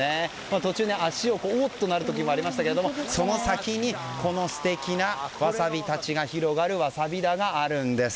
途中で足をとられる時もありましたがその先に、この素敵なわさびたちが広がるわさび田があるんです。